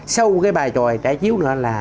sau cái bài tròi trái chiếu nữa là